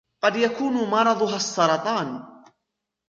قد يكون مرضها السرطان.